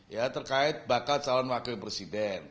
ya terkait bakal calon wakil presiden